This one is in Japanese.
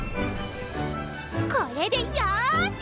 これでよし！